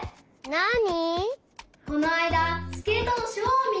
なに？